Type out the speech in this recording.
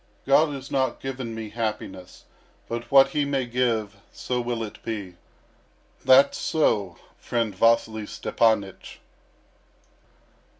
God has not given me happiness, but what He may give, so will it be. That's so, friend Vasily Stepanych."